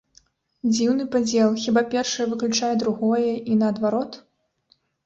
Дзіўны падзел, хіба першае выключае другое, і наадварот?